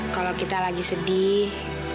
kalau kita lagi sedih